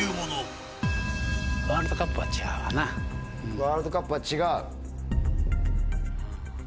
ワールドカップは違う。